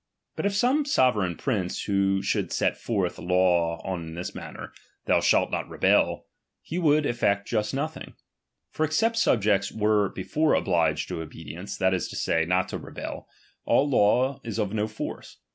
But if some sovereign prince sllould set forth a law on this manner, tho?i shall '■■* cj^ rebef, he would effect just nothing. For ex es ^pt subjects were before obliged to obedience, t"fciat is to say, not to rebel, all law is of no force.